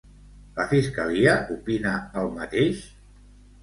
La fiscalia opina el mateix?